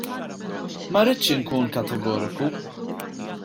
Ma rridx inkun kategoriku.